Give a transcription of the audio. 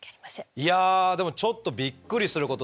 いやでもちょっとびっくりすることの連続で。